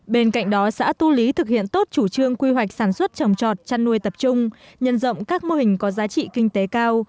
bên cạnh đó xã tu lý thực hiện tốt chủ trương quy hoạch sản xuất trồng trọt chăn nuôi tập trung nhân rộng các mô hình có giá trị kinh tế cao